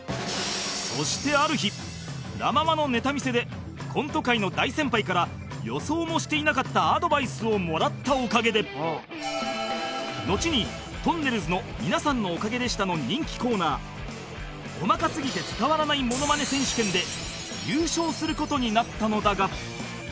そしてある日ラ・ママのネタ見せでコント界の大先輩から予想もしていなかったアドバイスをもらったおかげでのちに『とんねるずのみなさんのおかげでした』の人気コーナー「細かすぎて伝わらないモノマネ選手権」で優勝する事になったのだが